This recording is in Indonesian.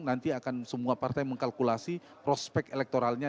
nanti akan semua partai mengkalkulasi prospek elektoralnya